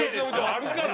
あるから。